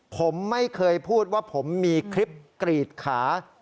ผมไม่เคยพูดว่าผมมีคลิปกรีดขา